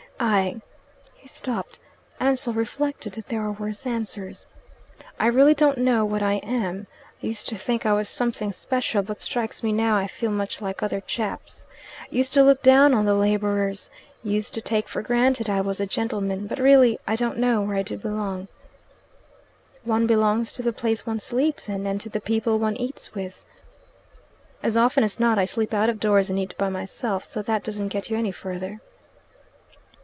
"I " He stopped. Ansell reflected that there are worse answers. "I really don't know what I am. Used to think I was something special, but strikes me now I feel much like other chaps. Used to look down on the labourers. Used to take for granted I was a gentleman, but really I don't know where I do belong." "One belongs to the place one sleeps in and to the people one eats with." "As often as not I sleep out of doors and eat by myself, so that doesn't get you any further."